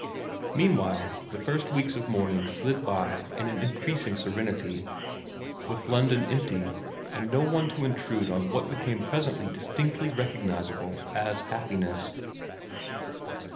Meanwhile the first weeks of mourning slid by in an increasing serenity, with London empty and no one to intrude on what became presently distinctly re cognisable as happiness.